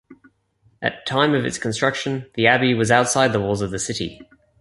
At time of its construction, the abbey was outside the walls of the city.